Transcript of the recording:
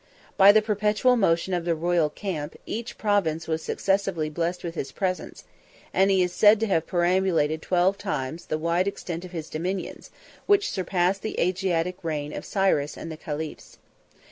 By the perpetual motion of the royal camp, each province was successively blessed with his presence; and he is said to have perambulated twelve times the wide extent of his dominions, which surpassed the Asiatic reign of Cyrus and the caliphs.